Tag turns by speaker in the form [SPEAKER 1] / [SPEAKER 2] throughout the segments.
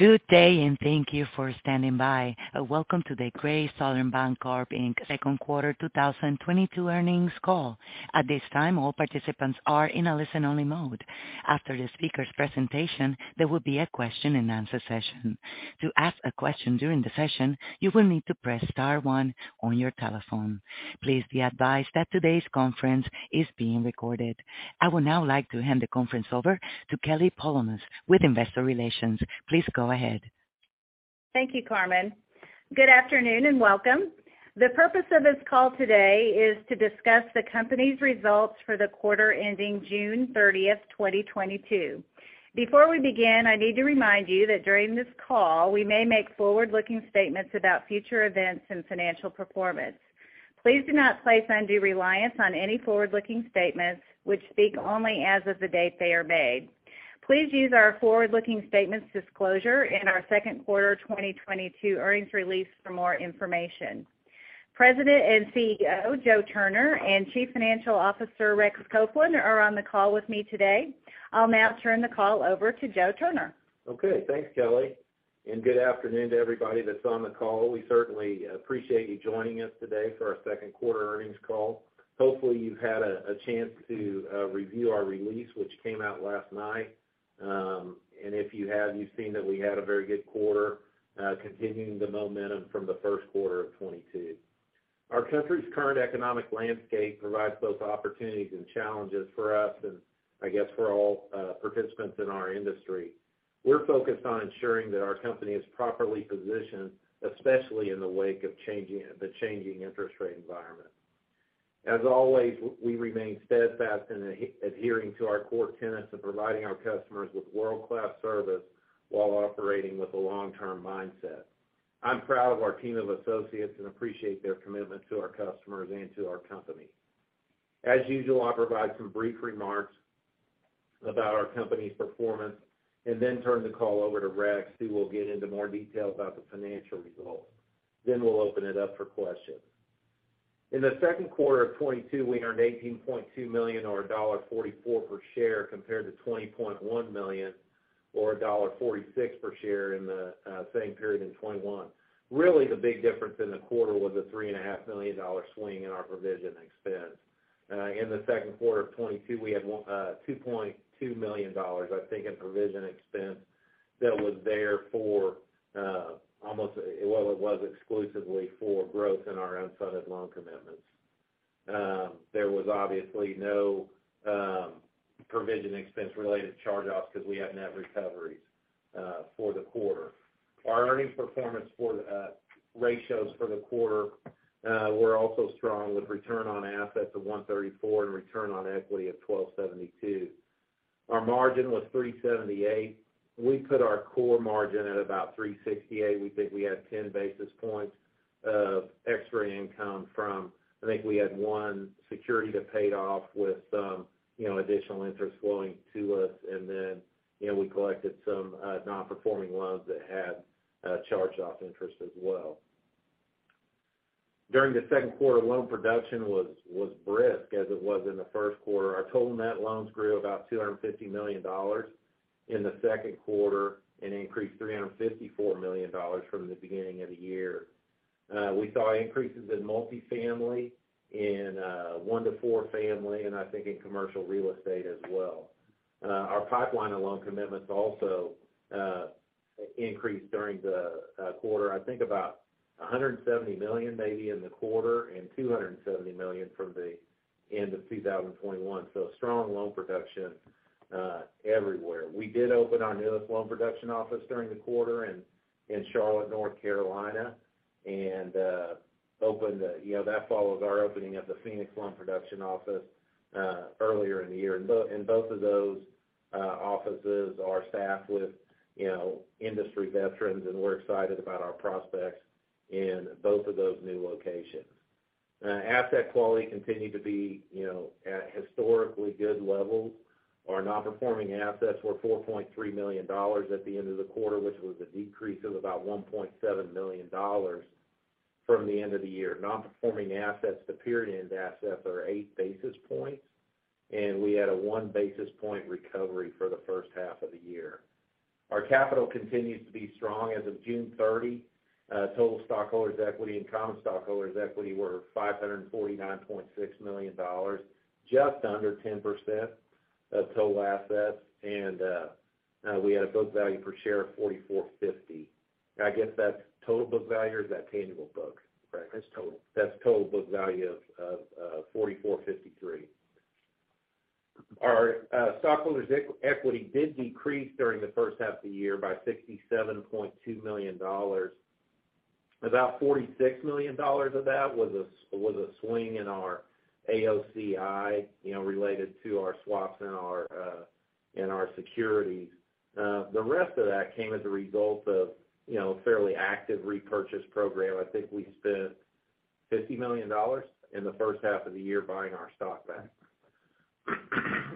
[SPEAKER 1] Good day, and thank you for standing by. Welcome to the Great Southern Bancorp, Inc. second quarter 2022 Earnings Call. At this time, all participants are in a listen-only mode. After the speaker's presentation, there will be a question-and-answer session. To ask a question during the session, you will need to press star one on your telephone. Please be advised that today's conference is being recorded. I would now like to hand the conference over to Kelly Polonus with Investor Relations. Please go ahead.
[SPEAKER 2] Thank you, Carmen. Good afternoon, and welcome. The purpose of this call today is to discuss the company's results for the quarter ending June 30, 2022. Before we begin, I need to remind you that during this call, we may make forward-looking statements about future events and financial performance. Please do not place undue reliance on any forward-looking statements which speak only as of the date they are made. Please use our forward-looking statements disclosure in our second quarter 2022 earnings release for more information. President and CEO, Joe Turner, and Chief Financial Officer, Rex Copeland, are on the call with me today. I'll now turn the call over to Joe Turner.
[SPEAKER 3] Okay, thanks, Kelly, and good afternoon to everybody that's on the call. We certainly appreciate you joining us today for our second quarter earnings call. Hopefully, you've had a chance to review our release, which came out last night. If you have, you've seen that we had a very good quarter, continuing the momentum from the first quarter of 2022. Our country's current economic landscape provides both opportunities and challenges for us and, I guess, for all participants in our industry. We're focused on ensuring that our company is properly positioned, especially in the wake of the changing interest rate environment. As always, we remain steadfast in adhering to our core tenets of providing our customers with world-class service while operating with a long-term mindset. I'm proud of our team of associates and appreciate their commitment to our customers and to our company. As usual, I'll provide some brief remarks about our company's performance and then turn the call over to Rex, who will get into more detail about the financial results. We'll open it up for questions. In the second quarter of 2022, we earned $18.2 million or $1.44 per share compared to $20.1 million or $1.46 per share in the same period in 2021. Really, the big difference in the quarter was a $3.5 million swing in our provision expense. In the second quarter of 2022, we had $2.2 million, I think, in provision expense that was there for almost, well, it was exclusively for growth in our unfunded loan commitments. There was obviously no provision expense related to charge-offs because we had net recoveries for the quarter. Our earnings performance for ratios for the quarter were also strong with return on assets of 1.34% and return on equity of 12.72%. Our margin was 3.78%. We put our core margin at about 3.68%. We think we had ten basis points of extra income from, I think we had one security that paid off with some, you know, additional interest flowing to us. You know, we collected some non-performing loans that had charge-off interest as well. During the second quarter, loan production was brisk, as it was in the first quarter. Our total net loans grew about $250 million in the second quarter and increased $354 million from the beginning of the year. We saw increases in multifamily, in one to four family, and I think in commercial real estate as well. Our pipeline of loan commitments also increased during the quarter. I think about $170 million maybe in the quarter, and $270 million from the end of 2021. Strong loan production everywhere. We did open our newest loan production office during the quarter in Charlotte, North Carolina, and that followed our opening of the Phoenix loan production office earlier in the year. Both of those offices are staffed with, you know, industry veterans, and we're excited about our prospects in both of those new locations. Asset quality continued to be, you know, at historically good levels. Our non-performing assets were $4.3 million at the end of the quarter, which was a decrease of about $1.7 million from the end of the year. Non-performing assets to period-end assets are 8 basis points, and we had a 1 basis point recovery for the first half of the year. Our capital continues to be strong. As of June 30, total stockholders' equity and common stockholders' equity were $549.6 million, just under 10% of total assets. We had a book value per share of $44.50. I guess that's total book value or is that tangible book, Rex?
[SPEAKER 4] That's total. That's total book value of 44.53. Our stockholders equity did decrease during the first half of the year by $67.2 million. About $46 million of that was a swing in our AOCI, you know, related to our swaps and our securities. The rest of that came as a result of, you know, a fairly active repurchase program. I think we spent $50 million in the first half of the year buying our stock back.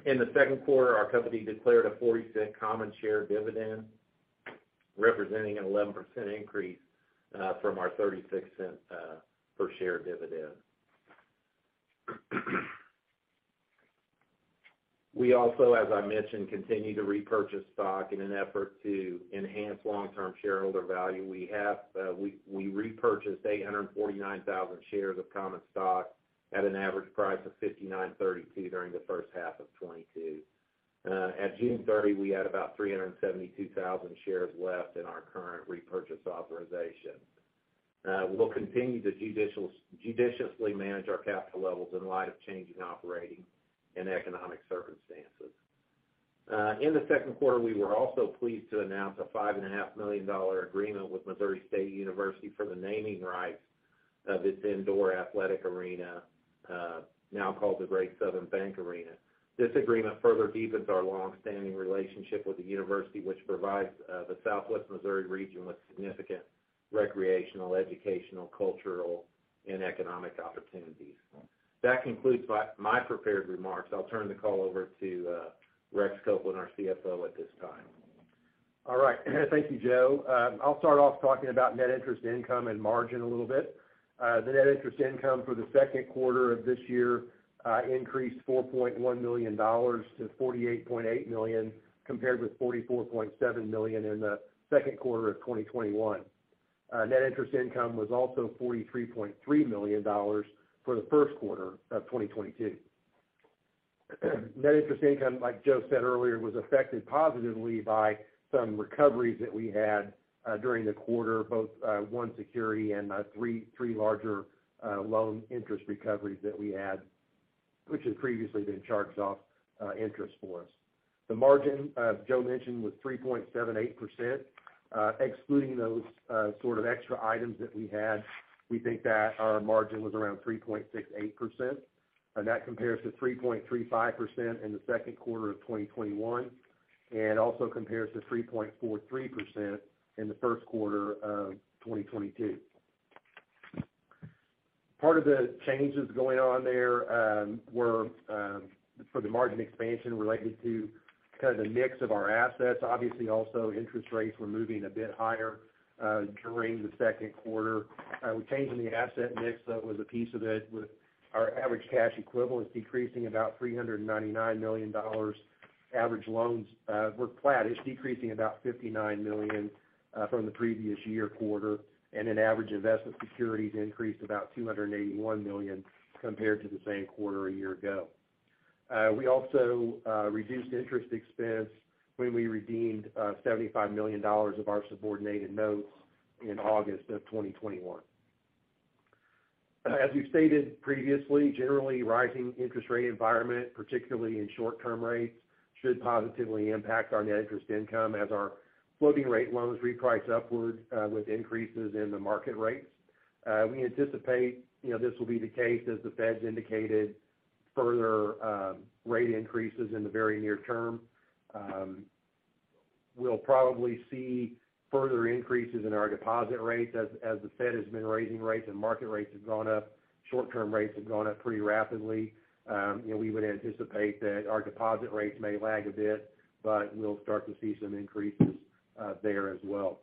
[SPEAKER 4] In the second quarter, our company declared a $0.40 common share dividend, representing an 11% increase from our $0.36 per share dividend. We also, as I mentioned, continue to repurchase stock in an effort to enhance long-term shareholder value.
[SPEAKER 3] We repurchased 849,000 shares of common stock at an average price of $59.32 during the first half of 2022. At June 30, we had about 372,000 shares left in our current repurchase authorization. We'll continue to judiciously manage our capital levels in light of changing operating and economic circumstances. In the second quarter, we were also pleased to announce a $5 and a half million dollar agreement with Missouri State University for the naming rights of its indoor athletic arena, now called the Great Southern Bank Arena. This agreement further deepens our long-standing relationship with the university, which provides the Southwest Missouri region with significant recreational, educational, cultural, and economic opportunities. That concludes my prepared remarks. I'll turn the call over to Rex Copeland, our CFO, at this time.
[SPEAKER 4] All right. Thank you, Joe. I'll start off talking about net interest income and margin a little bit. The net interest income for the second quarter of this year increased $4.1 million to $48.8 million, compared with $44.7 million in the second quarter of 2021. Net interest income was also $43.3 million for the first quarter of 2022. Net interest income, like Joe said earlier, was affected positively by some recoveries that we had during the quarter, both one security and three larger loan interest recoveries that we had, which had previously been charged-off interest for us. The margin, as Joe mentioned, was 3.78%. Excluding those sort of extra items that we had, we think that our margin was around 3.68%, and that compares to 3.35% in the second quarter of 2021, and also compares to 3.43% in the first quarter of 2022. Part of the changes going on there were for the margin expansion related to kind of the mix of our assets. Obviously, also, interest rates were moving a bit higher during the second quarter. We changed in the asset mix, that was a piece of it, with our average cash equivalents decreasing about $399 million. Average loans were flat. It's decreasing about $59 million from the previous year quarter, and on average, investment securities increased about $281 million compared to the same quarter a year ago. We also reduced interest expense when we redeemed $75 million of our subordinated notes in August of 2021. As we've stated previously, the generally rising interest rate environment, particularly in short-term rates, should positively impact our net interest income as our floating rate loans reprice upward with increases in the market rates. We anticipate, you know, this will be the case as the Fed's indicated further rate increases in the very near term. We'll probably see further increases in our deposit rates as the Fed has been raising rates and market rates have gone up, short-term rates have gone up pretty rapidly. You know, we would anticipate that our deposit rates may lag a bit, but we'll start to see some increases there as well.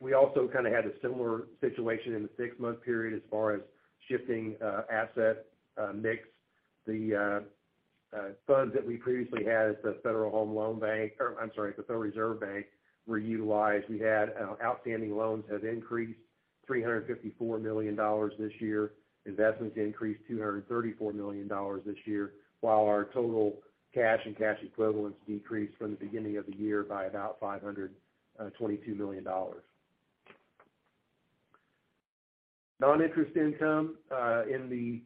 [SPEAKER 4] We also kind of had a similar situation in the six-month period as far as shifting asset mix. The funds that we previously had at the Federal Home Loan Bank, or I'm sorry, the Federal Reserve Bank, were utilized. Outstanding loans have increased $354 million this year. Investments increased $234 million this year, while our total cash and cash equivalents decreased from the beginning of the year by about $522 million. Noninterest income in the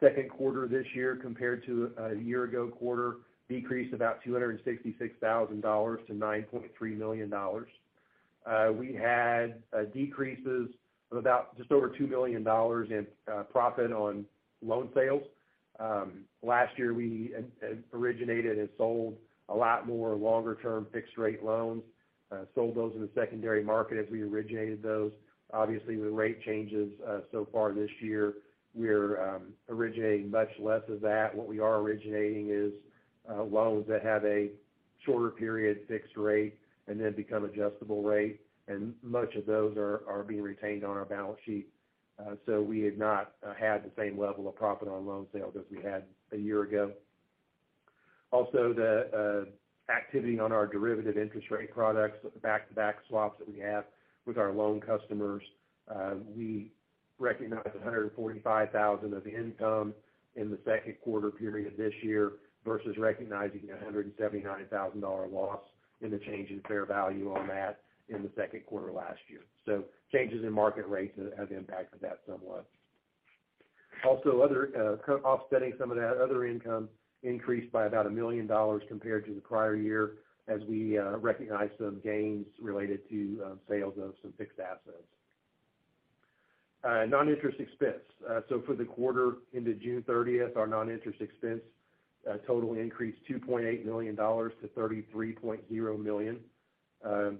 [SPEAKER 4] second quarter this year compared to a year ago quarter decreased about $266,000 to $9.3 million. We had decreases of about just over $2 million in profit on loan sales. Last year, we originated and sold a lot more longer-term fixed rate loans, sold those in the secondary market as we originated those. Obviously, the rate changes, so far this year, we're originating much less of that. What we are originating is loans that have a shorter period fixed rate and then become adjustable rate, and much of those are being retained on our balance sheet. So we have not had the same level of profit on loan sales as we had a year ago. The activity on our derivative interest rate products, back-to-back swaps that we have with our loan customers, we recognized $145,000 of income in the second quarter period this year versus recognizing a $179,000 loss in the change in fair value on that in the second quarter last year. Changes in market rates have impacted that somewhat. Other income, offsetting some of that, increased by about $1 million compared to the prior year as we recognized some gains related to sales of some fixed assets. Non-interest expense. For the quarter ended June 30, our non-interest expense total increased $2.8 million to $33.0 million. The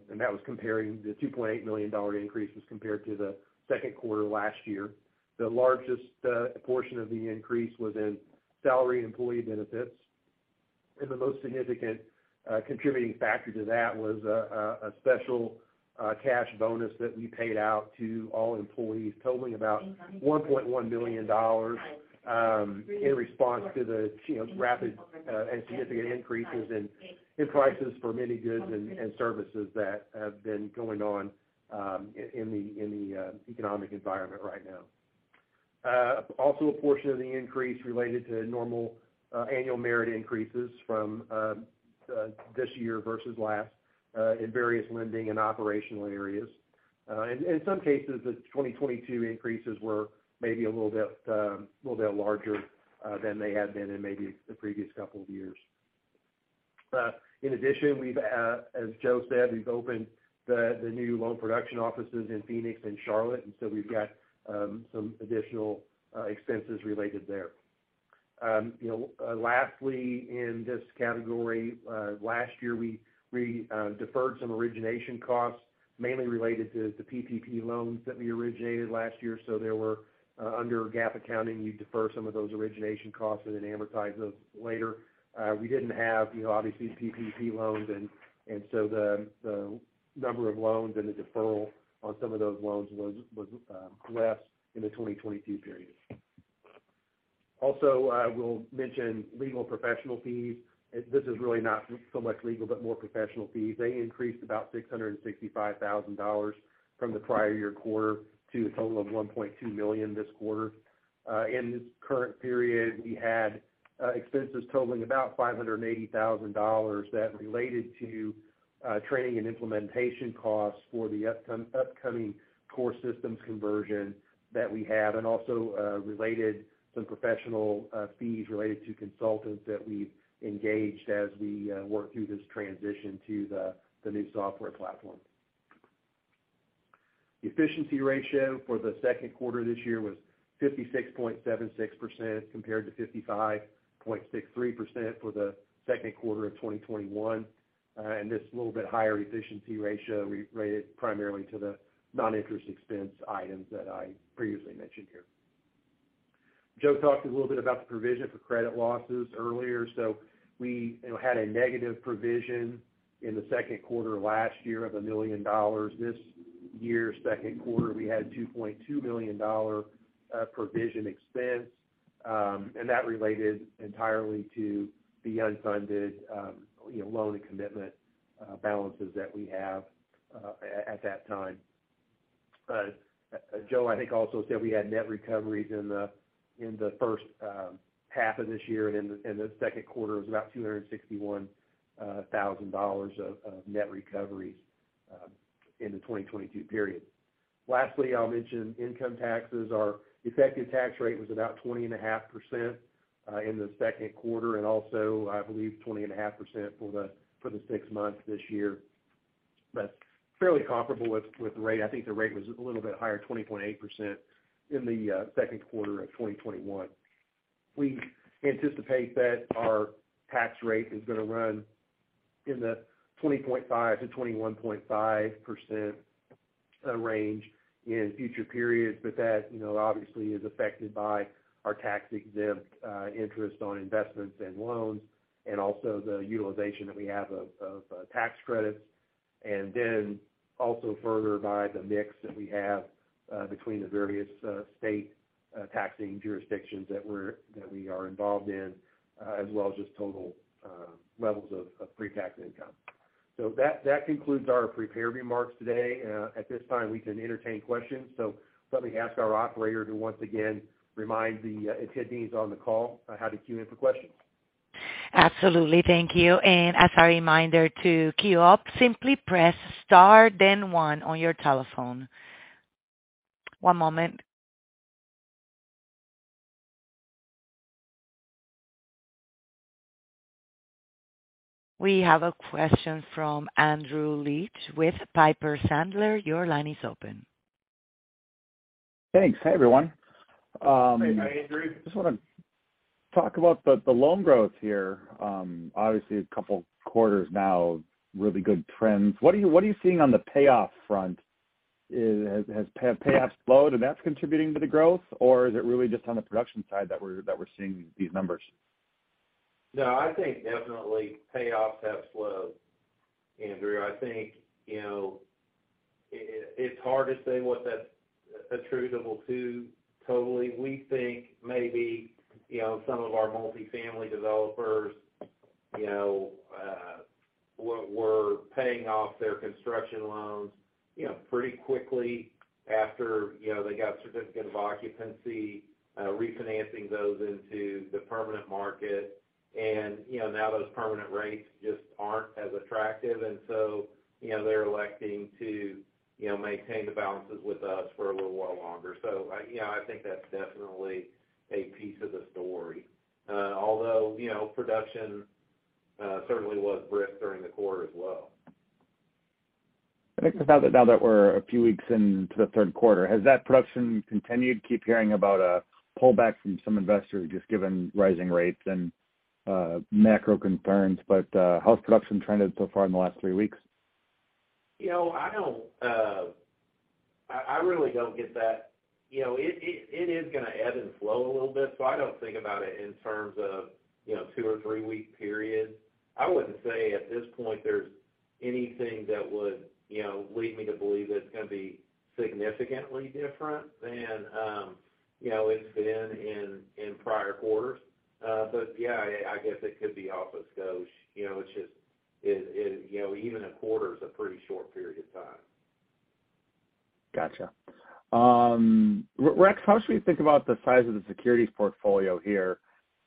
[SPEAKER 4] $2.8 million increase was compared to the second quarter last year. The largest portion of the increase was in salary and employee benefits. The most significant contributing factor to that was a special cash bonus that we paid out to all employees totaling about $1.1 million in response to the, you know, rapid and significant increases in prices for many goods and services that have been going on in the economic environment right now. Also a portion of the increase related to normal annual merit increases from this year versus last in various lending and operational areas. In some cases, the 2022 increases were maybe a little bit larger than they had been in maybe the previous couple of years. In addition, we've, as Joe said, we've opened the new loan production offices in Phoenix and Charlotte, and so we've got some additional expenses related there. You know, lastly, in this category, last year, we deferred some origination costs, mainly related to the PPP loans that we originated last year, so there were under GAAP accounting, you defer some of those origination costs and then amortize those later. We didn't have, you know, obviously PPP loans and so the number of loans and the deferral on some of those loans was less in the 2022 period. Also, I will mention legal professional fees. This is really not so much legal, but more professional fees. They increased about $665 thousand from the prior year quarter to a total of $1.2 million this quarter. In this current period, we had expenses totaling about $580 thousand that related to training and implementation costs for our upcoming core systems conversion that we have, and also related to some professional fees related to consultants that we've engaged as we work through this transition to the new software platform. The efficiency ratio for the second quarter this year was 56.76% compared to 55.63% for the second quarter of 2021. This little bit higher efficiency ratio related primarily to the non-interest expense items that I previously mentioned here. Joe talked a little bit about the provision for credit losses earlier. We, you know, had a negative provision in the second quarter last year of $1 million. This year's second quarter, we had $2.2 million provision expense, and that related entirely to the unfunded, you know, loan and commitment balances that we have at that time. Joe, I think, also said we had net recoveries in the first half of this year and the second quarter was about $261,000 of net recoveries in the 2022 period. Lastly, I'll mention income taxes. Our effective tax rate was about 20.5% in the second quarter, and also, I believe, 20.5% for the six months this year. Fairly comparable with the rate. I think the rate was a little bit higher, 20.8% in the second quarter of 2021. We anticipate that our tax rate is gonna run in the 20.5% to 21.5% range in future periods, but that, you know, obviously is affected by our tax-exempt interest on investments and loans and also the utilization that we have of tax credits, and then also further by the mix that we have between the various state taxing jurisdictions that we are involved in, as well as just total levels of pre-tax income. That concludes our prepared remarks today. At this time, we can entertain questions. Let me ask our operator to once again remind the attendees on the call on how to queue in for questions.
[SPEAKER 1] Absolutely. Thank you. As a reminder to queue up, simply press star then one on your telephone. One moment. We have a question from Andrew Liesch with Piper Sandler. Your line is open.
[SPEAKER 5] Thanks. Hey, everyone.
[SPEAKER 4] Hey, Andrew.
[SPEAKER 5] Just wanna talk about the loan growth here. Obviously a couple quarters now, really good trends. What are you seeing on the payoff front? Has payoffs slowed, and that's contributing to the growth? Or is it really just on the production side that we're seeing these numbers?
[SPEAKER 4] No, I think definitely payoffs have slowed, Andrew. I think, you know, it's hard to say what that's attributable to totally. We think maybe, you know, some of our multifamily developers, you know, were paying off their construction loans, you know, pretty quickly after, you know, they got certificate of occupancy, refinancing those into the permanent market. You know, now those permanent rates just aren't as attractive, and so, you know, they're electing to, you know, maintain the balances with us for a little while longer. I, you know, I think that's definitely a piece of the story. Although, you know, production certainly was brisk during the quarter as well.
[SPEAKER 5] I guess now that we're a few weeks into the third quarter, has that production continued? Keep hearing about a pullback from some investors just given rising rates and macro concerns. How's production trended so far in the last three weeks?
[SPEAKER 3] You know, I don't really get that. You know, it is gonna ebb and flow a little bit, so I don't think about it in terms of, you know, two or three-week periods. I wouldn't say at this point there's anything that would, you know, lead me to believe that it's gonna be significantly different than, you know, it's been in prior quarters. Yeah, I guess it could be off of scope, you know, it's just. You know, even a quarter is a pretty short period of time.
[SPEAKER 5] Gotcha. Rex, how should we think about the size of the securities portfolio here?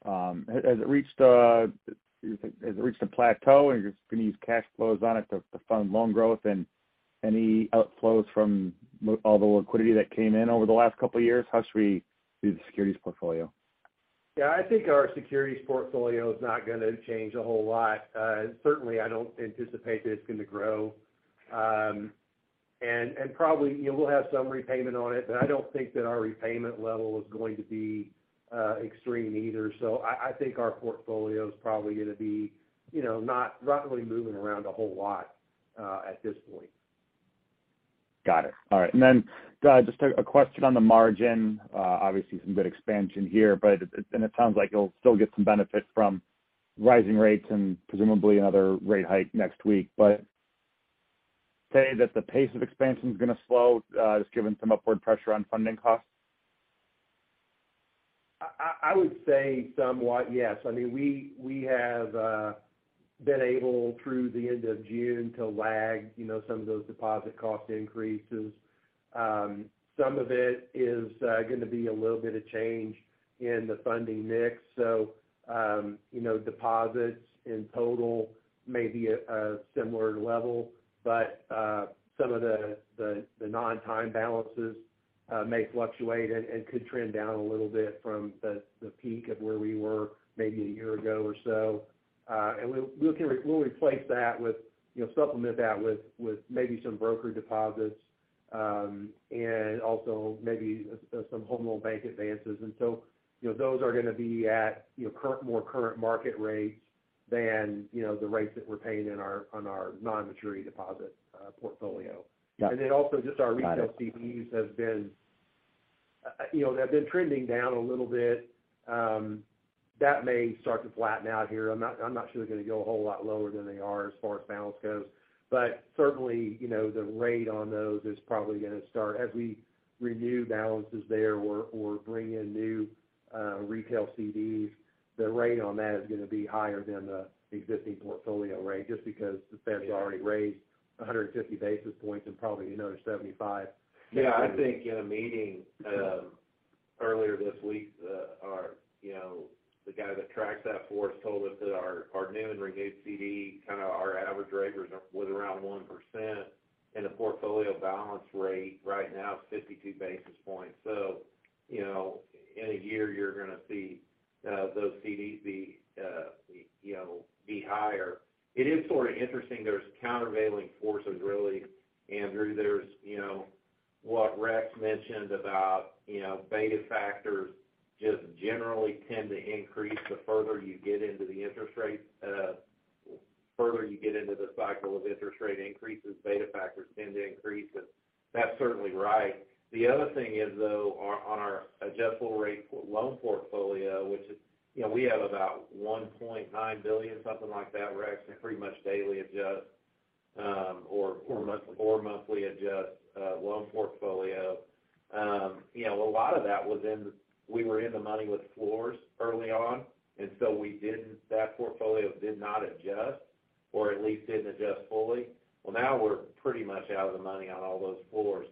[SPEAKER 5] Has it reached a plateau, and you're just gonna use cash flows on it to fund loan growth and any outflows from all the liquidity that came in over the last couple years? How should we view the securities portfolio?
[SPEAKER 4] Yeah, I think our securities portfolio is not gonna change a whole lot. Certainly I don't anticipate that it's gonna grow. And probably, you know, we'll have some repayment on it, but I don't think that our repayment level is going to be extreme either. I think our portfolio's probably gonna be, you know, not really moving around a whole lot at this point.
[SPEAKER 5] Got it. All right. Just a question on the margin. Obviously some good expansion here, but it sounds like you'll still get some benefit from rising rates and presumably another rate hike next week. Would you say that the pace of expansion's gonna slow, just given some upward pressure on funding costs?
[SPEAKER 4] I would say somewhat yes. I mean, we have been able, through the end of June, to lag you know some of those deposit cost increases. Some of it is gonna be a little bit of change in the funding mix. So you know deposits in total may be at a similar level, but some of the non-time balances may fluctuate and could trend down a little bit from the peak of where we were maybe a year ago or so. We can replace that with you know supplement that with maybe some broker deposits and also maybe some home loan bank advances. You know, those are gonna be at, you know, more current market rates than, you know, the rates that we're paying on our non-maturity deposit portfolio.
[SPEAKER 5] Got it.
[SPEAKER 4] also just our retail.
[SPEAKER 5] Got it.
[SPEAKER 4] CDs has been, you know, they've been trending down a little bit. That may start to flatten out here. I'm not sure they're gonna go a whole lot lower than they are as far as balance goes. Certainly, you know, the rate on those is probably gonna start, as we renew balances there or bring in new retail CDs, the rate on that is gonna be higher than the existing portfolio rate, just because the Fed's already raised 150 basis points and probably another 75.
[SPEAKER 3] Yeah, I think in a meeting earlier this week, our you know, the guy that tracks that for us told us that our new and renewed CD, kinda our average rate was around 1%, and the portfolio balance rate right now is 52 basis points. You know, in a year you're gonna see those CDs be higher. It is sort of interesting. There's countervailing forces really, Andrew. There's you know, what Rex mentioned about you know, beta factors just generally tend to increase the further you get into the interest rate further you get into the cycle of interest rate increases, beta factors tend to increase. That's certainly right. The other thing is though, on our adjustable rate loan portfolio, which is, you know, we have about $1.9 billion, something like that, Rex, in pretty much daily adjust.
[SPEAKER 4] Four monthly
[SPEAKER 3] our monthly adjustable loan portfolio. You know, a lot of that was, we were in the money with floors early on, and so we didn't. That portfolio did not adjust, or at least didn't adjust fully. Well, now we're pretty much out of the money on all those floors.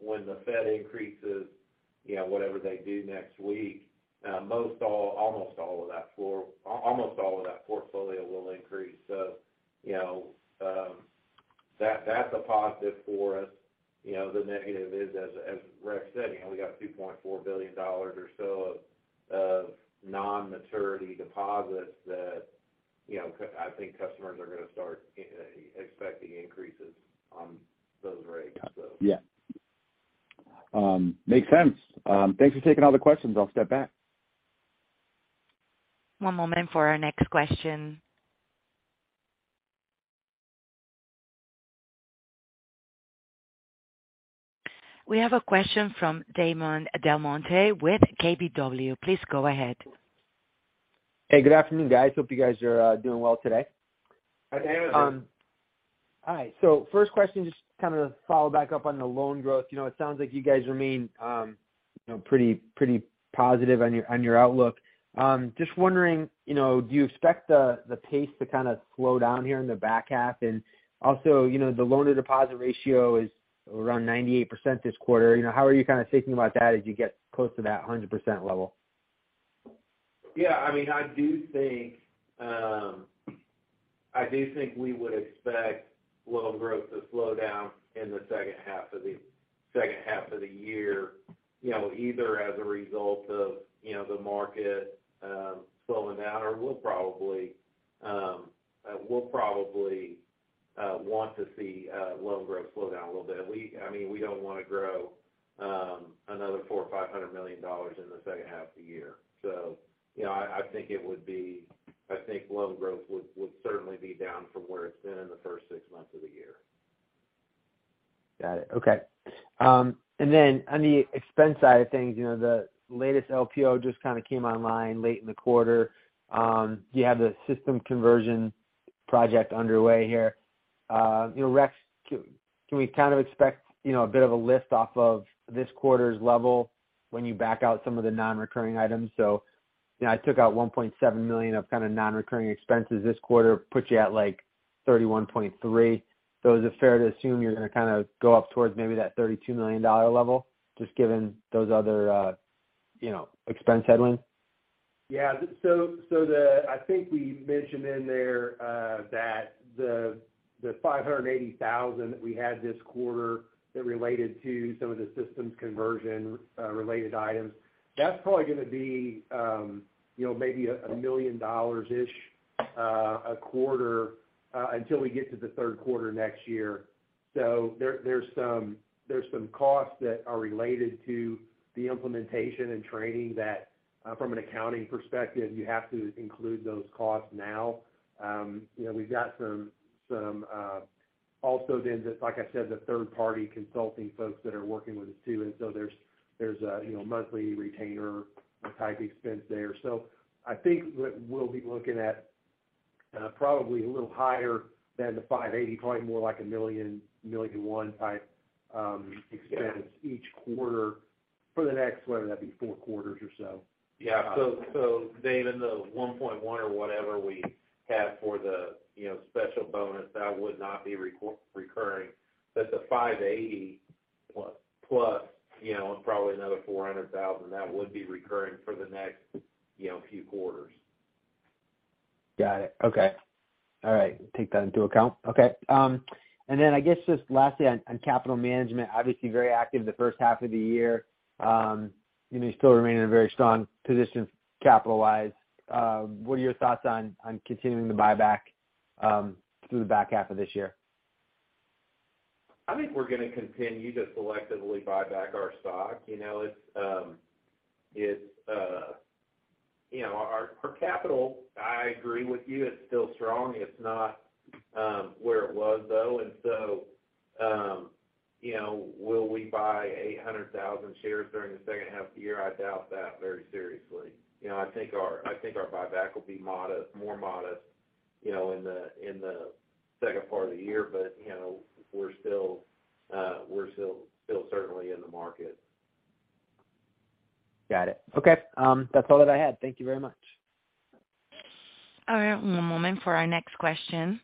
[SPEAKER 3] When the Fed increases whatever they do next week, almost all of that portfolio will increase. You know, that's a positive for us. You know, the negative is, as Rex said, you know, we got $2.4 billion or so of non-maturity deposits that, you know, I think customers are gonna start expecting increases on those rates.
[SPEAKER 5] Yeah. Makes sense. Thanks for taking all the questions. I'll step back.
[SPEAKER 1] One moment for our next question. We have a question from Damon DelMonte with KBW. Please go ahead.
[SPEAKER 6] Hey, good afternoon, guys. Hope you guys are doing well today.
[SPEAKER 3] Hi, Damon.
[SPEAKER 6] All right, first question, just to kind of follow back up on the loan growth. You know, it sounds like you guys remain, you know, pretty positive on your outlook. Just wondering, you know, do you expect the pace to kind of slow down here in the back half? Also, you know, the loan-to-deposit ratio is around 98% this quarter. You know, how are you kind of thinking about that as you get close to that 100% level?
[SPEAKER 3] Yeah, I mean, I do think we would expect loan growth to slow down in the second half of the year, you know, either as a result of, you know, the market slowing down, or we'll probably want to see loan growth slow down a little bit. I mean, we don't wanna grow.
[SPEAKER 4] Another $400 to 500 million in the second half of the year. You know, I think loan growth would certainly be down from where it's been in the first six months of the year.
[SPEAKER 6] Got it. Okay. On the expense side of things, you know, the latest LPO just kind of came online late in the quarter. You have the system conversion project underway here. You know, Rex, can we kind of expect, you know, a bit of a lift off of this quarter's level when you back out some of the non-recurring items? You know, I took out $1.7 million of kind of non-recurring expenses this quarter, puts you at like $31.3 million. Is it fair to assume you're gonna kind of go up towards maybe that $32 million level just given those other, you know, expense headwinds?
[SPEAKER 4] Yeah. I think we mentioned in there that the $580,000 that we had this quarter that related to some of the systems conversion related items, that's probably gonna be, you know, maybe a $1 million-ish a quarter until we get to the third quarter next year. There's some costs that are related to the implementation and training that from an accounting perspective, you have to include those costs now. You know, we've got some also then just like I said, the third party consulting folks that are working with us too, and so there's a you know, monthly retainer type expense there. I think that we'll be looking at probably a little higher than the $580, probably more like $1 to 1.1 million type expense each quarter for the next, whether that be four quarters or so.
[SPEAKER 3] Yeah. Dave, in the $1.1 or whatever we had for the, you know, special bonus, that would not be recurring. The $580
[SPEAKER 4] Plus
[SPEAKER 3] Plus, you know, and probably another $400,000, that would be recurring for the next, you know, few quarters.
[SPEAKER 6] Got it. Okay. All right. Take that into account. Okay. I guess just lastly on capital management, obviously very active the first half of the year. You may still remain in a very strong position capital-wise. What are your thoughts on continuing the buyback through the back half of this year?
[SPEAKER 4] I think we're gonna continue to selectively buy back our stock. You know, it's you know our capital, I agree with you, it's still strong. It's not where it was though. You know, will we buy 800,000 shares during the second half of the year? I doubt that very seriously. You know, I think our buyback will be modest, more modest you know in the second part of the year. You know, we're still certainly in the market.
[SPEAKER 6] Got it. Okay. That's all that I had. Thank you very much.
[SPEAKER 1] All right. One moment for our next question.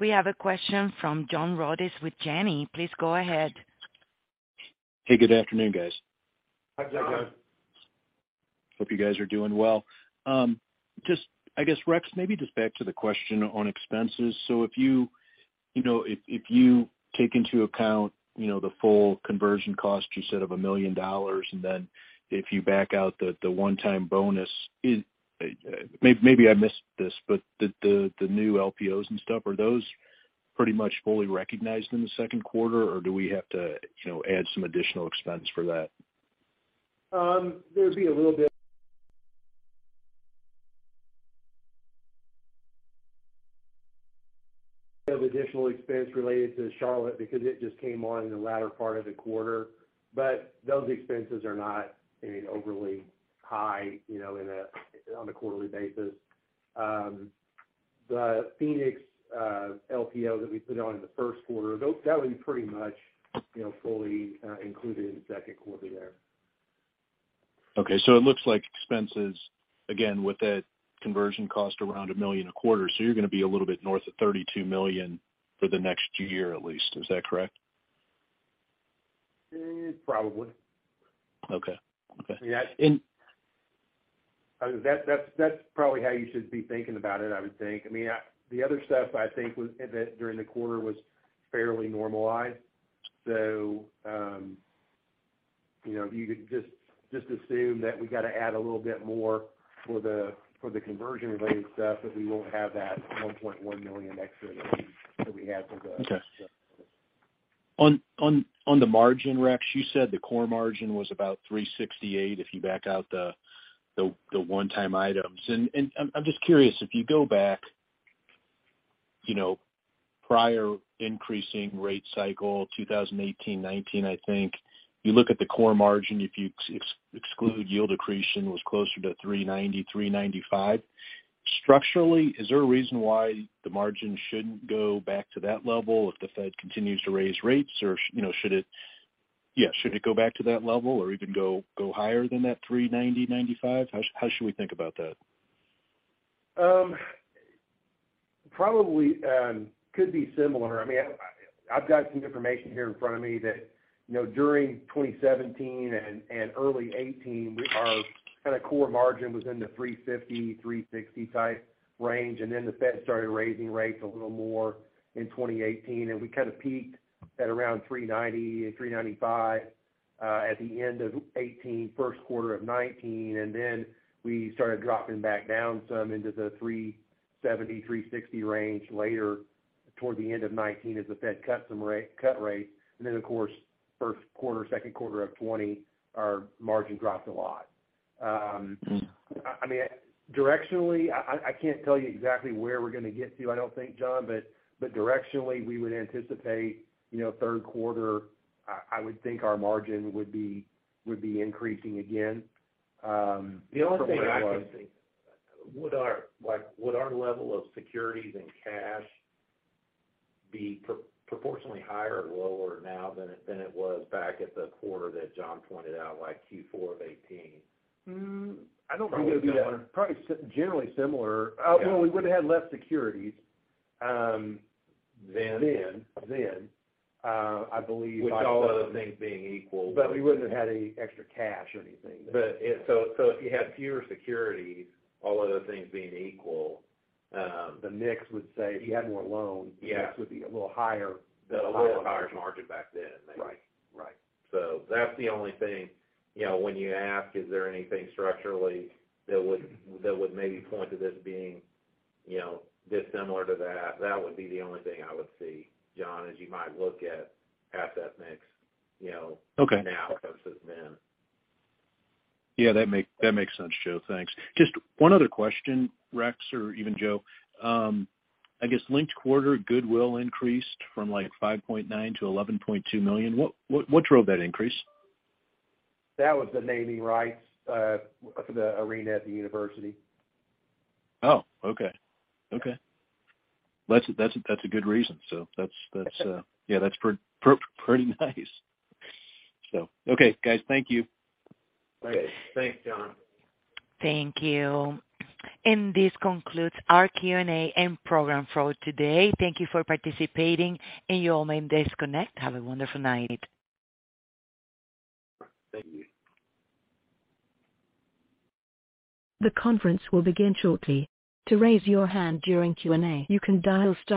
[SPEAKER 1] We have a question from John Rodis with Janney. Please go ahead.
[SPEAKER 7] Hey, good afternoon, guys.
[SPEAKER 4] Hi, John.
[SPEAKER 3] John.
[SPEAKER 7] Hope you guys are doing well. Just, I guess, Rex, maybe just back to the question on expenses. If you know, if you take into account, you know, the full conversion cost you said of $1 million, and then if you back out the one-time bonus, maybe I missed this, but the new LPOs and stuff, are those pretty much fully recognized in the second quarter? Or do we have to, you know, add some additional expense for that?
[SPEAKER 4] There'd be a little bit of additional expense related to Charlotte because it just came on in the latter part of the quarter. Those expenses are not any overly high, you know, on a quarterly basis. The Phoenix LPO that we put on in the first quarter, that was pretty much, you know, fully included in the second quarter there.
[SPEAKER 7] Okay. It looks like expenses, again with that conversion cost around $1 million a quarter, so you're gonna be a little bit north of $32 million for the next year at least. Is that correct?
[SPEAKER 4] Probably.
[SPEAKER 7] Okay. Okay.
[SPEAKER 4] Yeah.
[SPEAKER 7] And-
[SPEAKER 4] That's probably how you should be thinking about it, I would think. I mean, the other stuff I think was that during the quarter was fairly normalized. You know, if you could just assume that we gotta add a little bit more for the conversion-related stuff, but we won't have that $1.1 million extra that we had for the-
[SPEAKER 7] On the margin, Rex, you said the core margin was about 3.68% if you back out the one-time items. I'm just curious, if you go back, you know, prior increasing rate cycle, 2018, 2019, I think, you look at the core margin, if you exclude yield accretion was closer to 3.90%, 3.95%. Structurally, is there a reason why the margin shouldn't go back to that level if the Fed continues to raise rates? Or you know, should it go back to that level or even go higher than that 3.90%, 3.95%? How should we think about that?
[SPEAKER 4] Probably could be similar. I mean, I've got some information here in front of me that, you know, during 2017 and early 2018, our kinda core margin was in the 3.50% to 3.60% type range, and then the Fed started raising rates a little more in 2018, and we kind of peaked at around 3.90% to 3.95%. At the end of 2018, first quarter of 2019, and then we started dropping back down some into the 3.70% to 3.60% range later toward the end of 2019 as the Fed cut some rates. Of course, first quarter, second quarter of 2020, our margin dropped a lot. I mean, directionally, I can't tell you exactly where we're gonna get to, I don't think, John, but directionally, we would anticipate, you know, third quarter, I would think our margin would be increasing again.
[SPEAKER 3] The only thing I can see, would our level of securities and cash be proportionally higher or lower now than it was back at the quarter that John Rodis pointed out, like Q4 of 2018?
[SPEAKER 4] I don't think it'd be lower. Probably generally similar. Well, we would've had less securities.
[SPEAKER 3] Then.
[SPEAKER 4] Then, then. Uh, I believe-
[SPEAKER 3] With all other things being equal.
[SPEAKER 4] We wouldn't have had any extra cash or anything.
[SPEAKER 3] If you had fewer securities, all other things being equal.
[SPEAKER 4] The mix would say if you had more loans.
[SPEAKER 3] Yeah.
[SPEAKER 4] The mix would be a little higher.
[SPEAKER 3] A little higher margin back then.
[SPEAKER 4] Right. Right.
[SPEAKER 3] That's the only thing, you know, when you ask, is there anything structurally that would maybe point to this being, you know, dissimilar to that would be the only thing I would see, John, is you might look at asset mix, you know.
[SPEAKER 7] Okay.
[SPEAKER 3] now versus then.
[SPEAKER 7] Yeah, that makes sense, Joe. Thanks. Just one other question, Rex or even Joe. I guess linked quarter goodwill increased from like $5.9 to 11.2 million. What drove that increase?
[SPEAKER 4] That was the naming rights for the arena at the university.
[SPEAKER 7] Oh, okay. That's a good reason. That's yeah, that's pretty nice. Okay, guys, thank you.
[SPEAKER 4] Great. Thanks, John. Thank you. This concludes our Q&A and program for today. Thank you for participating, and you all may disconnect. Have a wonderful night. Thank you.
[SPEAKER 1] The conference will begin shortly. To raise your hand during Q&A, you can dial star two.